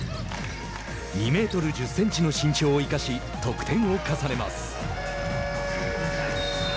２メートル１０センチの身長を生かし得点を重ねます。